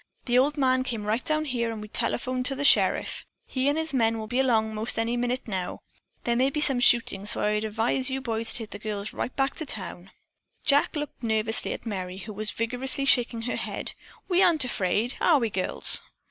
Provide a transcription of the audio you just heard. The old man came right down here and we telephoned to the sheriff. He and his men will be along most any minute now. There may be some shooting, and so I'd advise you boys to take the girls right back to town." Jack looked anxiously at Merry, who was vigorously shaking her head. "We aren't afraid, are we, girls?"